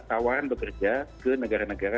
tawaran bekerja ke negara negara